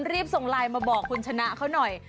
รีบส่งไลน์มาบอกคุณชนะเขาหน่อย